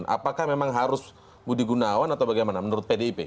apakah memang harus budi gunawan atau bagaimana menurut pdip